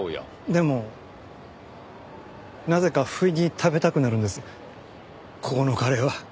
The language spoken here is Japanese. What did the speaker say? でもなぜかふいに食べたくなるんですここのカレーは。